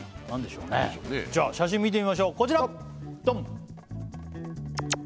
何でしょうねじゃあ写真見てみましょうこちらドン！